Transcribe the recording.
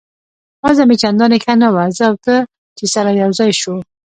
وضع مې چندانې ښه نه وه، زه او ته چې سره یو ځای شوو.